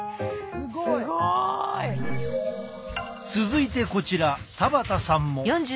すごい。続いてこちら田端さんも。